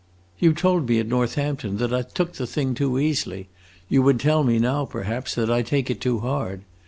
You told me at Northampton that I took the thing too easily; you would tell me now, perhaps, that I take it too hard.